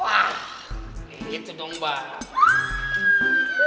wah gitu dong mbak